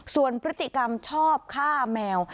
ส่วนพฤติกรรมชอบฆ่าแมว